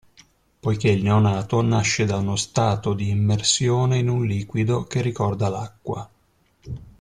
Poiché il neonato nasce da uno stato di immersione in un liquido che ricorda l'acqua.